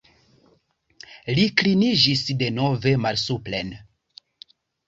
Li kliniĝis denove malsupren.